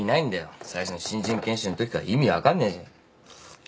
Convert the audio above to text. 最初の新人研修のときから意味分かんねえし。